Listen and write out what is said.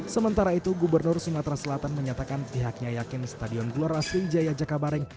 sementara itu gubernur sungatera selatan menyatakan pihaknya yakin stadion gloras sriwijaya jakabareng